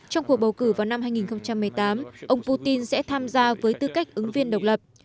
trong cuộc bầu cử vào năm hai nghìn một mươi tám ông putin sẽ tham gia với tư cách ứng viên độc lập